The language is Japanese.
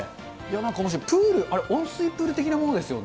なんかおもしろい、プール、あれ、温水プール的なものですよね。